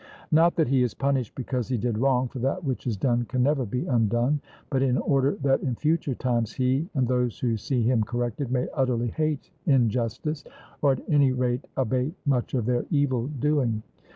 Not that he is punished because he did wrong, for that which is done can never be undone, but in order that in future times, he, and those who see him corrected, may utterly hate injustice, or at any rate abate much of their evil doing.